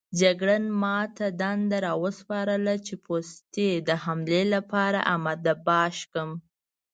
جګړن ما ته دنده راوسپارله چې پوستې د حملې لپاره اماده باش کړم.